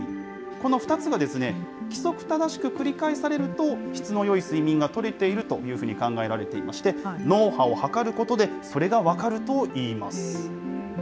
この２つが規則正しく繰り返されると、質のよい睡眠がとれているというふうに考えられていまして、脳波を測ることでそれが分かるといいます。